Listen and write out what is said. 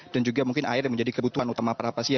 dan juga mungkin air yang menjadi kebutuhan utama para pasien